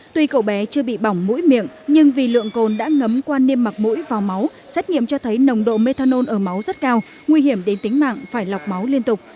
tuy cậu bé chưa bị bỏng mũi miệng nhưng vì lượng cồn đã ngấm qua niêm mặt mũi vào máu xét nghiệm cho thấy nồng độ methanol ở máu rất cao nguy hiểm đến tính mạng phải lọc máu liên tục